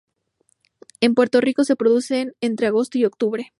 En Puerto Rico se produce entre agosto y octubre.